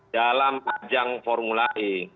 dalam ajang formulai